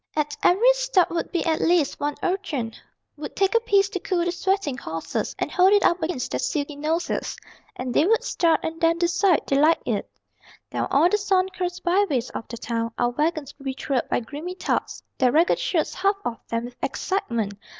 At every stop would be at least one urchin Would take a piece to cool the sweating horses And hold it up against their silky noses And they would start, and then decide they liked it. Down all the sun cursed byways of the town Our wagons would be trailed by grimy tots, Their ragged shirts half off them with excitement!